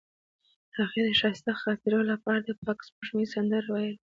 هغې د ښایسته خاطرو لپاره د پاک سپوږمۍ سندره ویله.